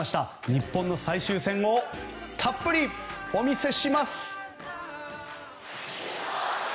日本の最終戦をたっぷりお見せします！